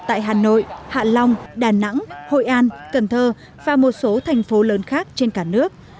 tại hà nội hạ long đà nẵng hội an cần thơ và một số thành phố lớn khác trên cả nước